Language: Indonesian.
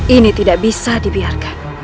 ini tidak bisa dibiarkan